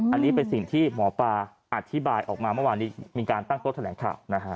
อันนี้เป็นสิ่งที่หมอปลาอธิบายออกมาเมื่อวานนี้มีการตั้งโต๊ะแถลงข่าวนะฮะ